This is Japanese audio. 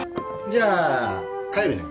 じゃあ帰るね。